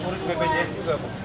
ngurus bpjs juga bu